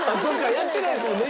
やってないですもんね